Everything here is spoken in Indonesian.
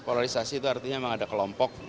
polarisasi itu artinya memang ada kelompok